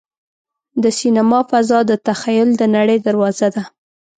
د سینما فضا د تخیل د نړۍ دروازه ده.